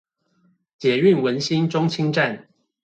捷運文心中清站